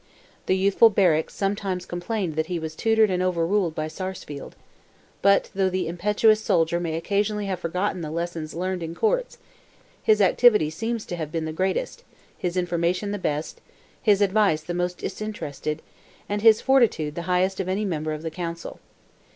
The youthful Berwick sometimes complained that he was tutored and overruled by Sarsfield; but though the impetuous soldier may occasionally have forgotten the lessons learned in courts, his activity seems to have been the greatest, his information the best, his advice the most disinterested, and his fortitude the highest of any member of the council.